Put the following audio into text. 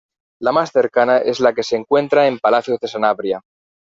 La más cercana es la que se encuentra en Palacios de Sanabria.